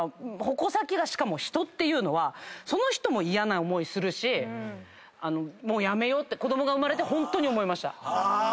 矛先がしかも人っていうのはその人も嫌な思いするしもうやめようって子供が生まれてホントに思いました。